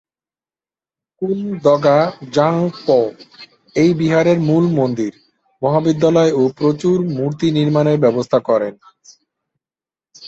কুন-দ্গা'-ব্জাং-পো এই বিহারের মূল মন্দির, মহাবিদ্যালয় ও প্রচুর মূর্তি নির্মাণের ব্যবস্থা করেন।